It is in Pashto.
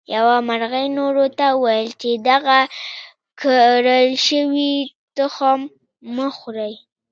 یوه مرغۍ نورو ته وویل چې دغه کرل شوي تخم مه خورئ.